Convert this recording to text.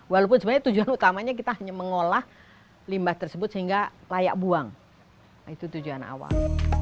walaupun sebenarnya tujuan utamanya kita hanya mengolah limbah tersebut sehingga layak buang itu tujuan awal